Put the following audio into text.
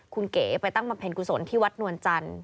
คุณเก๋ไปตั้งบำเพ็ญกุศลที่วัดนวลจันทร์